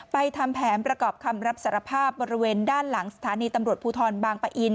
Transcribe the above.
ทำแผนประกอบคำรับสารภาพบริเวณด้านหลังสถานีตำรวจภูทรบางปะอิน